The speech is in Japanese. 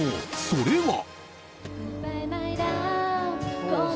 それは。